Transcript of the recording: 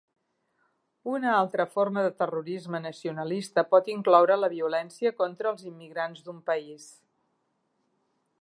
Una altra forma de terrorisme nacionalista pot incloure la violència contra els immigrants d'un país.